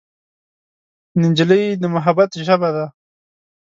نجلۍ د محبت ژبه ده.